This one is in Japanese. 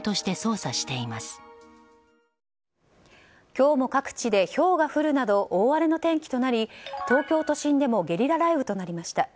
今日も各地でひょうが降るなど大荒れの天気となり東京都心でもゲリラ雷雨となりました。